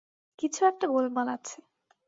কিছু একটা গোলমাল আছে!